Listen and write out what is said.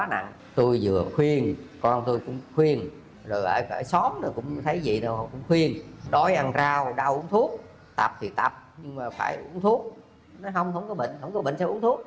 nói không không có bệnh không có bệnh sẽ uống thuốc